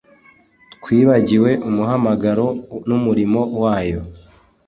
twibagiwe umuhamagaro n’umurimo wayo